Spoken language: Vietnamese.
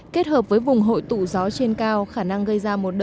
kết hợp với vùng hội tụ gió trên cao khả năng gây ra một đợt